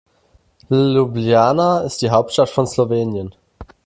Ljubljana ist die Hauptstadt von Slowenien.